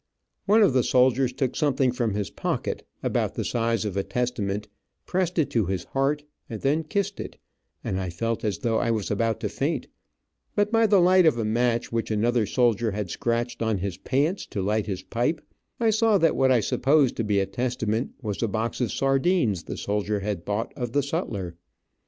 One of the soldiers took something from his pocket, about the size of a testament, pressed it to his heart, and then kissed it, and I felt as though I was about to faint, but by the light of a match which another soldier had scratched on his pants to light his pipe, I saw that what I supposed to be a testament, was a box of sardines the soldier had bought of the sutler.